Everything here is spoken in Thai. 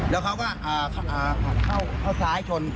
แล้วเขาก็เอาสายชน